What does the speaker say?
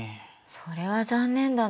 それは残念だね。